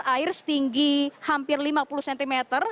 air setinggi hampir lima puluh cm